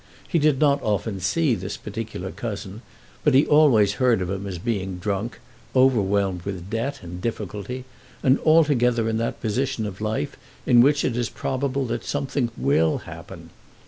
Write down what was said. He did not often see this particular cousin, but he always heard of him as being drunk, overwhelmed with debt and difficulty, and altogether in that position of life in which it is probable that something will "happen."